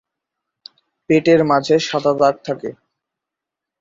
পেটের মাঝে সাদা দাগ থাকে।